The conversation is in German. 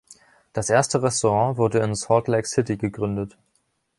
Das erste Restaurant wurde in Salt Lake City gegründet.